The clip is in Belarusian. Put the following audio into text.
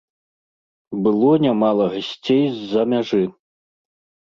Было нямала гасцей з-за мяжы.